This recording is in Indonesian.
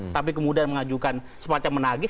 tapi kemudian mengajukan semacam menanggis